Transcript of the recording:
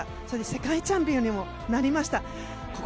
世界チャンピオンにもなりました。